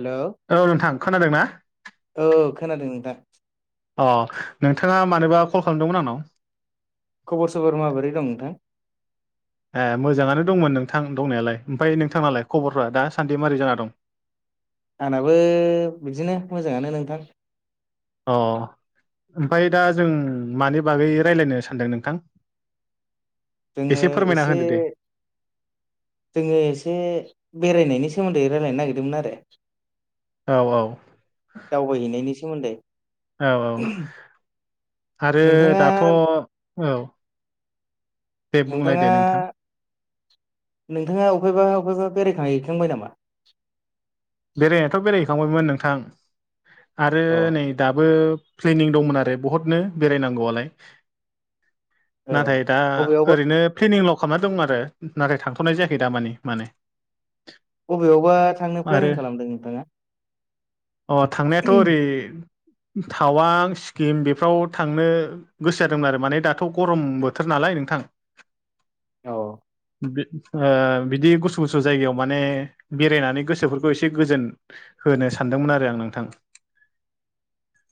हेल' औ नोंथां खोनादों ना औ खोनादों नोंथां। अ नोंथाङा मानोबा कल खालामदोंमोन आंनाव? खबर सबर माबोरै दं नोंथां ए मोजाङानो दंमोन नों नोंथां दंनायालाय ओमफ्राय नोंथांनालाय खबरफ्रा दा सान्दि मारै जाना दं? आंनाबो बिदिनो मोजाङानो नोंथां। अ ओमफाय दा जों मानि बागै रायलायनो सानदों नोंथां? जोङो फोरमायना एसे होदो दे जोङो एसे बेरायनायनि सोमोन्दै रायलायनो नागिरदोंमोन आरो औ औ दावबायहैनायनि सोमोन्दै औ औ आरो नोंथाङा दाथ' औ दे बुंलनाय नोंथाङा दे नोंथां। नोंथाङा अबहायबा अबहायबा बेरायखां हैखांबाय नामा? बेरायनायाथ' बेरायहैखांबायमोन नोंथां आरो नै अ दाबो प्लेनिं दंमोन आरो बहुतनो बेरायनांगौआलाय। औ नाथाय दा बबेयावबा ओरैनो प्लेनिंल' खामना दं आरो नाथाय थांथ'नाय जायाखै दा मानि माने। बबेयावबा थांनो आरो प्लेनिं खालामदों नोंथाङा अ थांनायाथ' ओरै टावां सिक्किम बेफोराव थांनो गोसो जादोंमोन आरो माने दाथ' गरम बोथोर नालाय नोंथां औ बिदि गुसु गुसु जायगायाव माने बेरायनानै गोसोफोर एसे गोजोन होनो सानदोंमोन आरो आं नोंथां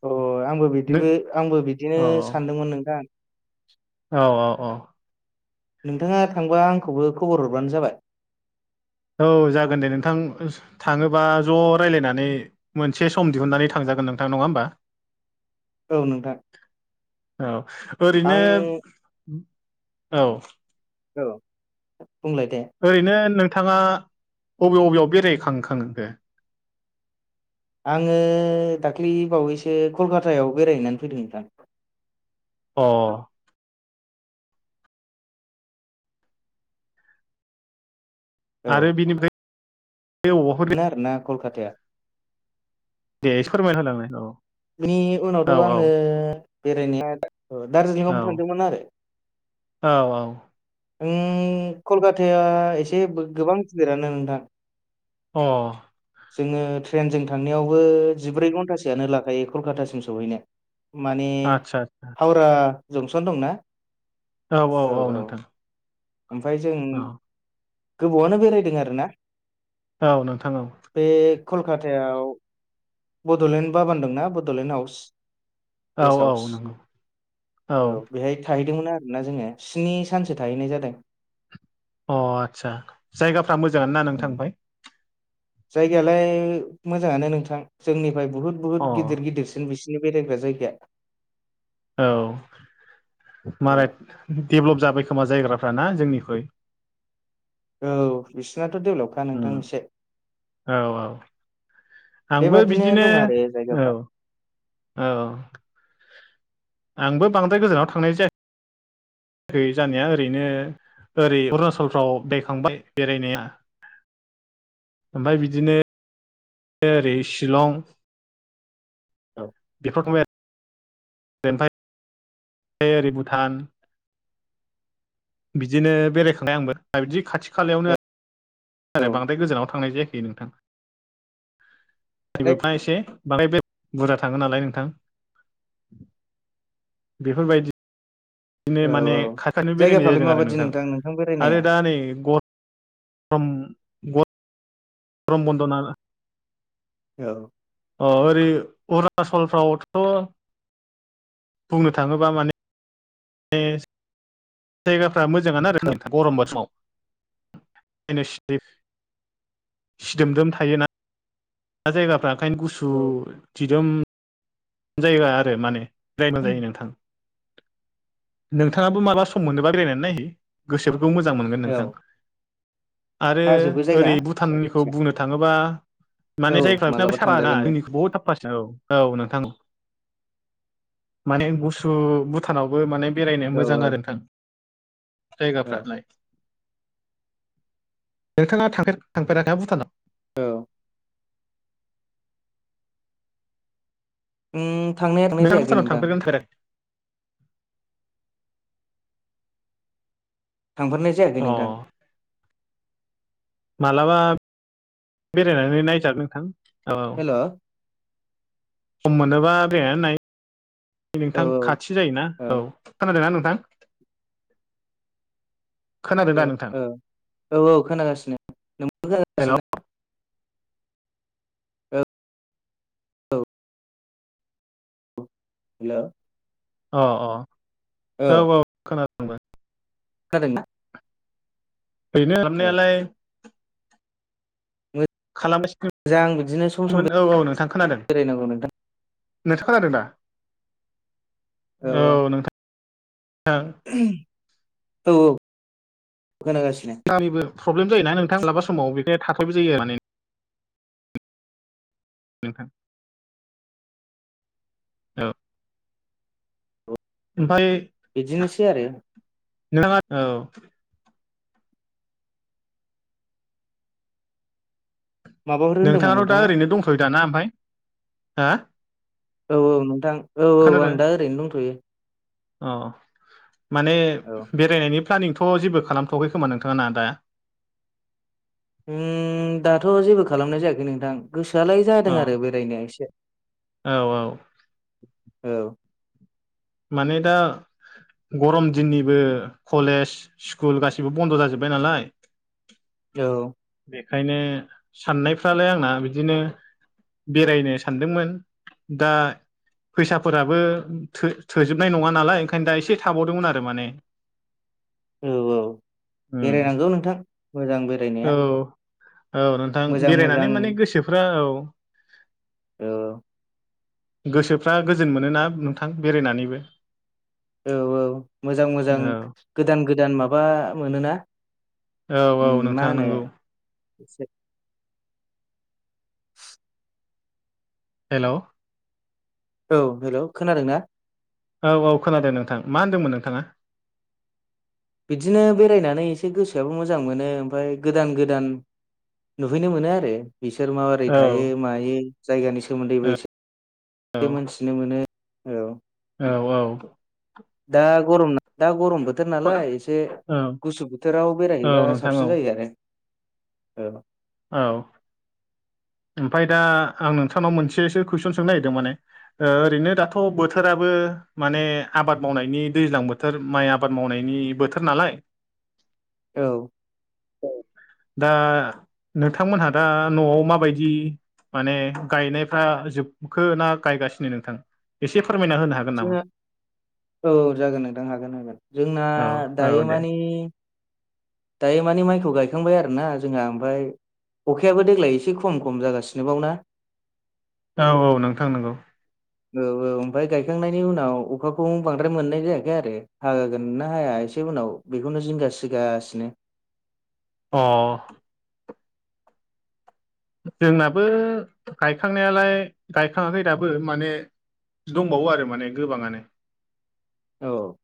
अ आंबो नो बिदिबो आंबो बिदिनो औ सानदोंमोन नोंथां औ औ औ नोंथाङा थांबा आंखौबो खबर हरबानो जाबाय औ जागोन दे नोंथां थाङोबा ज' रायजलायनानै मोनसे सम दिहुननानै थांजागोन जागोन नोंथां नङा होमबा औ नोंथां औ ओरैनो आं औ औ बुंलाय दे ओरैनो नों थाङा अबे बबेयाव बेरायखां खांखो? आङो दाख्ललि बावैसो कलकातायाव बेरायहैनानै फैदों नोंथां अ औ आरो बिनिफ्राय बे अहले कलकताया दे फोरमायना होलांनाय औ बे उनावथ' औ आङो बेरायनाया औ दार्जिलिं औ आवबो थांदोंमोन आरो औ कलकाताया एसे गोबां गिदिरानो नोंथां अ जोङो ट्रेनजों थांनायावबो जिब्रै घन्टासोयनो लाखायो कलकातासिम सहैनायाव। माने आदसा आदसा हावरा जंसन दंना? औ औ औ नोंथां। ओमफ्राय जों औ गोबावावनो बेरायदों आरो ना। औ नोंथां औ कलकातायाव बड'लेण्ड बाबान दंना बड'लेण्ड हाउस औ गेस्ट हाउस औ नंगौ औ बेहाय थाहै दोंमोन आरोना जोङो स्नि सानसो थाहैनाय जादों। अ आदसा जायगाफ्रा मोजां ना उम। नोंथां बेहाय? जायगायालाय मोजाङानो नोंथां जोंनिफ्राय बुहुत बुहुत गिदिर अ गिदिरसिन बिसि सिनि बेरायग्रा जायगाया औ माराय डेभेलप जाबाय। खोमा ना जायग्राफ्राना जोंनिख्रुइ? औ बिसिनाथ' डेभेलपखा नोंथां उम एसे। औ औ आंबो बेबादिनो बिदिनो दं आरो औ जायगाफ्रा। औ आंबो बांद्राय गोजानाव थांनाय जाया खै जानाया ओरैनो। ओरै अरुणाचलफ्राव बेरायखांबाय बेरायनाया। ओमफ्राय बिदिनो ओरै शिलं औ बेफोरखौ ओरै भुटान बिदिनो बेरायखांबाय आंबो बिदि खाथि खालायावनो। आरो औ बांद्राय गोजानाव थांनाय जायाखै नोंथां। जाय गबोफा [unintelligible] एसे बाहाय बे [unintelligible] बुरजा थाङो नालाय नोंथां बेफोरबायदि बिदिनो औ माने खाथियानो बेरायनाय जायगाफ्रालाय जादों आरो माबादि नोंथां बेरायनाया आरो दा नै गद- रम गरम बन्द' ना- औ अ ओरै अरुणाचलफ्रावथ' बुंनो थाङोबा माने ए जायगाफ्रा मोजाङानो आरो नोंथां गरम बोथोर समाव [unintelligible] सिदोमदोम थायोना। दा जायगाफ्रा ओंखायनो गुसु औ दिदोम। जायगा आरो माने [unintelligible] जायो नोंथां। नोंथाङाबो मालाबा सम मोनोबा बेरायायनानै नायहै गोसो- खौ मोजां मोनगोन नोंथां। औ आरो हाजोबो जायगा ओरै बुथाननिखौ आदसा बुंनो थाङोबा माने औ जायगाफ्रा बिसोनाबो मालाबा साफा आरोना थांजागोन बे जोंनिख्रुइ बहुद साफासिन औ औ नोंथां औ माने गुसु बुथानावबो माने बेरायनो औ मोजां आरो नोंथां। औ जायगाफ्रालाय नोंथाङा थांफेरदोंना थांफेराखै भुटानाव? औ आं थांनाया थांनाय नोंथाङा जायाखै भुटानाव नोंथां। थांफेरगोन थांफेराखै थांफेरनाय जायाखै अ नोंथां। मालाबा बेरायनानै नायजागोन नोंथां। औ हेल' सम मोनोबा बेरायनानै नाय नोंथां औ खाथि जायोना औ खोनादों ना नों- थां औ औ औ औ खोनागासिनो नोंबो हेल' खोनागासिनो ना? औ हेल' अ अ औ औ खोनादोंं आंबो। खोनादों ना? ओरैनो खालामनायालाय। मोजां बिदिनो सम सम खालामगासिनोमोन औ औ नोंथां खोनादों। बेरायनांगौ नोंथां नोंथांङा खोनादों दा? औ नोंथां। औ औ। खोनागासिनो गामिबो प्रब्लेम जायोना नोंथां माबलाबा समाव बेखनो थाथ'बाय जायो आरो माने। नोंथां। औ औ ओमफाय बिदिनोसै आरो। नोंथाङा औ। माबाफोर होनदोंमोन नोंथाङाथ' दा नोंथाङा ओरैनो दंथ'यो दा ना ओमफाय हो। औ औ नोंथां औ औ आं दा ओरैनो दंथ'यो। अ माने औ बेरायनायनि। प्लानिंथ' जेबो खालामथ'वाखै खोमा नोंथाङा ना दा? उम दाथ' जेबो खालामनाय जायाखै नोंथां। गोसोआलाय औ जादों आरो बेरायनोआ एसे। औ औ औ। माने दा। गरम दिननिबो कलेज स्कुल गासिबो बन्द' जाजोब्बाय नालाय। औ। बेखायनो साननायफ्रालाय आंना बिदिनो। बेरायनो सानदोंमोन दा फैसाफोराबो थो थोजोबनाय नङा नालाय ओंखायनो दा एसे थाबावदोंमोन आरो माने। औ औ उम बेरायनांगौ नोंथां मोजां औ बेरायनाया। औ नोंथां मोजां मोजां बेरायनानै माने गोसोफ्रा औ। औ। गोसोफ्रा गोजोन मोनोना नोंथां बेरायनानैबो औ औ मोजां मोजां औ गोदान गोदान माबा मोनोना। औ औ नोंथां नंगौ। एसे हेलौ औ हेल' खोनादों ना? औ औ खोनादों नोंथां मा होनदोंमोन नोंथाङा? बिदिनो बेरायनानै एसे गोसोआबो मोजां मोनो ओमफफ्राय गोदान गोदान। नुहैनो मोनो आरो। बिसोर माबोरै औ थायो मायो जायगानि सोमोन्दैबो औ एसे मिथिनो मोनो। औ। औ औ। दा गरम ना दा गरम बोथोर नालाय एसे औ गुसु बोथोराव औ बेरायहैबा नोंथां साबसिन औ जायो आरो। औ। औ। [inaudible] ओमफफ्राय दा आं नोंथांनाव मोनसेसो कुइसन सोंनो नागिरदों माने ओरैनो दाथ' बोथोराबो। माने आबाद मावनायनि दैज्लां बोथोर माइ आबाद मावनायनि बोथोर नालाय। औ। औ दा नोंथांमोनहा दा न'आव माबायदि? माने गायनायफ्रा जोबखो ना गायगासिनो नोंथां एसे। बुंनो हागोन नामा? जोंना औ जागोन नोंथां हागोन हागोन जोंना औ औ दायो दे मानि दायो मानि माइखौ गायखांबाय आरो ना जोंहा ओमफफ्राय अखायाबो देग्लाय एसे खम खम जागासिनोबाव ना औ औ नोंथां नंगौ औ औ ओमफफ्राय गायखांनायनि उनाव अखाखौ बांद्राय मोननाय जायाखै आरो हागागोन ना हाया एसे उनाव बेखौनो जिंगासिगासिनो। अ जोंनाबो गायखांनायालाय गायखाङाखै दाबो माने दंबावो आरो माने गोबाङानो औ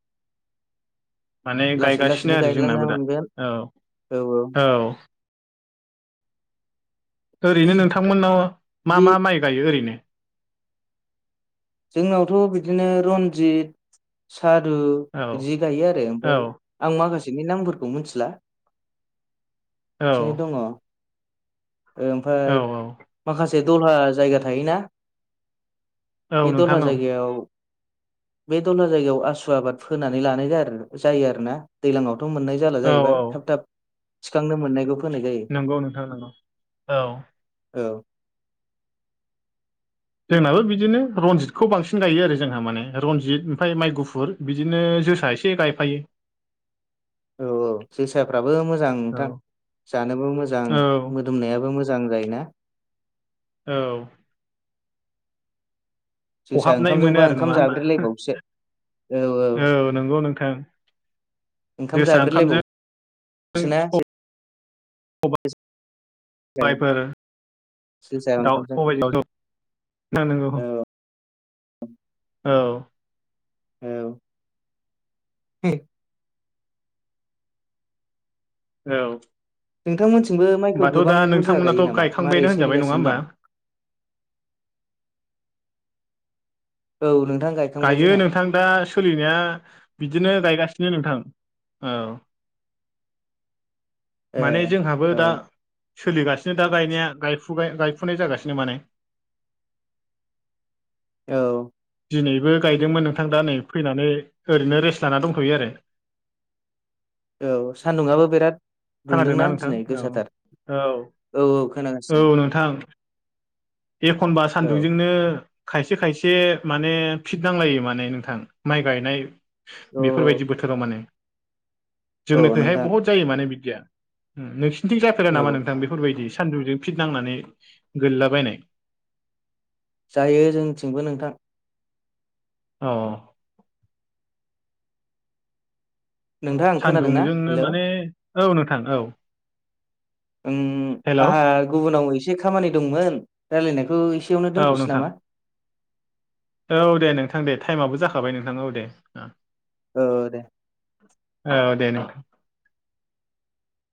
माने लासै गायगासिनो लासैनो आरो गायलांना जोंनाबो दा मोनगोन औ औ औ ओरैनो नोंथांमोननाव मा बे मा माइ गायो ओरैनो? जोंनावथ' बिदिनो रनजित सारु औ बिदि गायो आरो औ ओमफ्राय आं माखासे नि नामफोरखौ मिथिला औ बिदिनो दङ औ ओमफ्राय औ माखासे दह्ला जायगा थायोना। औ बे नोंथां दलहा औ जायगायाव बे दलला जायगायाव आसु आबाद फोनानै लानाय जायो आरोना दैलांयाव मोननाय जाला औ जाहैबाय औ थाब थाब थिखांनो मोननाय नंगौ नोंथां नंगौ औ औ जोंनाबो बिदिनो रनजितखौ बांसिन गायो आरो जोंहा माने रनजित ओमफ्राय माइ गुफुर बिदिनो जो साफोर एसे गायफायो। [inaudible] औ औ जोसाफ्राबो मोजां औ नोंथां जानोबो मोजां औ मोदोमनायाबो मोजां मोजां जायोना औ जोसा खहाबनाय मोनो ओंखामजोंबा आरो ओंखाम नङा होमबा जाब्रेलायबावसो औ नंगौ नोंथां ओंखाम जोसा ओंखामजों जाब्रेलायबावसो ना जोसा सबाइफोर जोसा ओंखामजों दाउजों सबाय [unintelligible] औ औ औ औ नोंथांमोनथिं थिंबो माइखौ गोबां बुरजा नोंथांमोनाथ' गायो नामा मारै गायखांबायानो होनजाबाय नङा सोलिगासिनो होमबा दं औ नोंथां गायखांबाय गायो जोंहा नोंथां दा सोलिनाया बिदिनो गायगासिनो नो नोंथां औ ए माने जोंहाबो औ दा। सोलिगासिनो दा गायनाया गायफुनाय जागासिनो माने। औ दिनैबो गायदोंमोन नोंथां दा नै फैनानै ओरैनो रेस्ट लाना दंथ'यो आरो औ सानदुंङाबो बिराद खोनादोंना दुंदोंना नोंथां दिनै औ गोसाथार औ औ औ औ खोनागासिनो नोंथां एखनबा औ सानदुंजोंनो खायसे खायसे माने फिट नांलायो माने नोंथां माइ गायनाय औ बेफोरबायदि बोथोराव माने औ जोंनोखैहाय नोंथां बहुद जायो माने बिदिया नोंसिनिथिं जाफेरा नामा औ नोंथां बेफोरबायदि? सानदुंजों फिद नांनानै गोलैलाबायनाय? जायो जोंनिथिंबो नोंथां अ नोंथां आं खोनादों ना सानदुंजोंनो हेल' माने औ नोंथां औ। ओम हेल' आंहा गुबुनाव एसे खामानि दंमोन रायलायनायखौ। एसेयावनो औ दोन्थ'सै नोंथां नामा? औ दे नोंथां दे टाइमाबबो जाखाबाय नोंथां औ दे। औ दे। औ दे नोंथां।